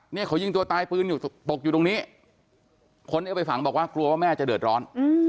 เนี่ยเขายิงตัวตายปืนอยู่ตกอยู่ตรงนี้คนที่เอาไปฝังบอกว่ากลัวว่าแม่จะเดือดร้อน